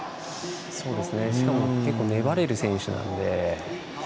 しかも結構粘れる選手なんで。